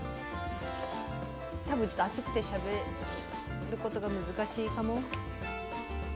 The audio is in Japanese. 多分ちょっと熱くてしゃべることが難しいかも。